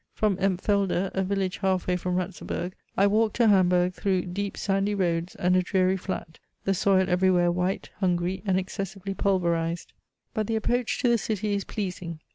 From Empfelde, a village half way from Ratzeburg, I walked to Hamburg through deep sandy roads and a dreary flat: the soil everywhere white, hungry, and excessively pulverised; but the approach to the city is pleasing.